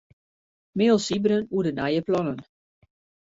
Mail Sybren oer de nije plannen.